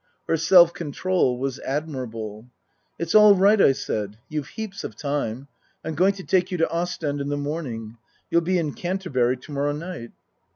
Her self control was admirable. " It's all right," I said. " You've heaps of time. I'm going to take you to Ostend in the morning. You'll be in Canterbury to morrow night."